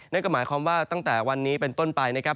นั่นก็หมายความว่าตั้งแต่วันนี้เป็นต้นไปนะครับ